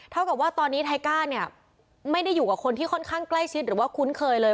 เท่ากับว่าตอนนี้ไทก้าเนี่ยไม่ได้อยู่กับคนที่ค่อนข้างใกล้ชิดหรือว่าคุ้นเคยเลย